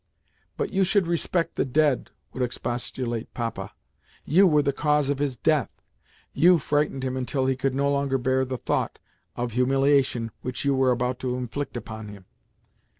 "But you should respect the dead," would expostulate Papa. "You were the cause of his death; you frightened him until he could no longer bear the thought of the humiliation which you were about to inflict upon him.